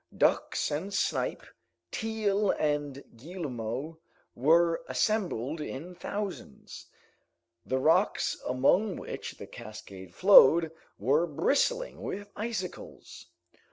Ducks and snipe, teal and guillemots were assembled in thousands. The rocks among which the cascade flowed were bristling with icicles.